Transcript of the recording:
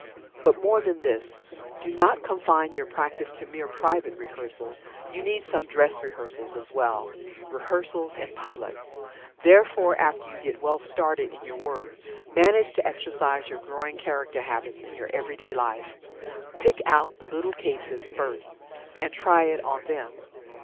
But, more than this. Do not confine your practice to mere private rehearsal. You need some "dress rehearsals" as well rehearsals in public. Therefore, after you get well started in your work, manage to exercise your growing character habits in your everyday life. Pick out the little cases first and "try it on them."